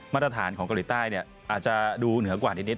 มาตรฐานของเกาหลีใต้อาจจะดูเหนือกว่านิด